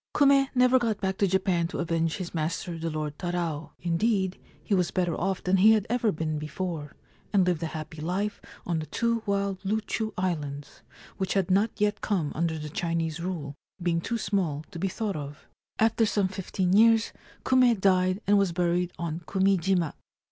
Kume never got back to Japan to avenge his master the Lord Tarao. Indeed, he was better off than he had ever been before, and lived a happy life on the two wild Loochoo islands, which had not yet come under the Chinese rule, being too small to be thought of. 176 The King of Torijima After some fifteen years Kume died and was buried on Kumijima.